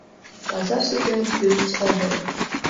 Пазар сатуэм тӱрыс огыл.